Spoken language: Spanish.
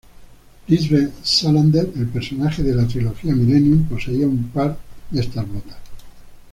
Lisbeth Salander, el personaje de la trilogía Millennium poseía un par de estas botas.